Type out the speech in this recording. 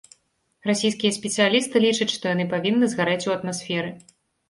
Расійскія спецыялісты лічаць, што яны павінны згарэць у атмасферы.